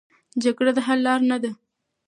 جګړه د حل لاره نه ده.